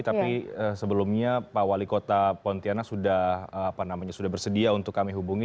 tapi sebelumnya pak wali kota pontianak sudah bersedia untuk kami hubungi